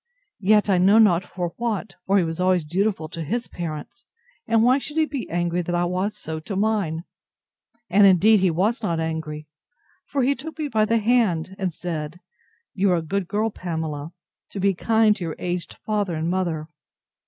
—Yet I know not for what: for he was always dutiful to his parents; and why should he be angry that I was so to mine? And indeed he was not angry; for he took me by the hand, and said, You are a good girl, Pamela, to be kind to your aged father and mother.